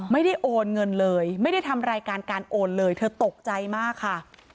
ไม่ได้โอนเงินเลยไม่ได้ทำรายการการโอนเลยเธอตกใจมากค่ะ